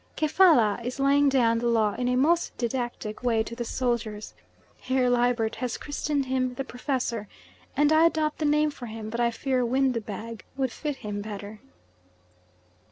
Kefalla is laying down the law in a most didactic way to the soldiers. Herr Liebert has christened him "the Professor," and I adopt the name for him, but I fear "Windbag" would fit him better.